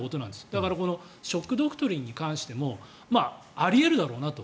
だから、このショック・ドクトリンに関してもあり得るだろうなと。